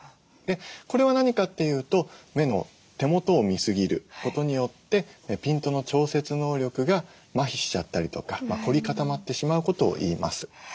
これは何かっていうと目の手元を見過ぎることによってピントの調節能力がまひしちゃったりとか凝り固まってしまうことをいいます。